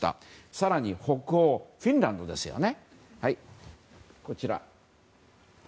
更に北欧、フィンランドですね。